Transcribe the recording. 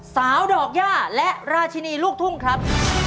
ดอกย่าและราชินีลูกทุ่งครับ